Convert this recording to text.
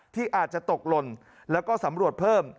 ที่อาจจะตกหล่นแล้วก็สำรวจเพิ่ม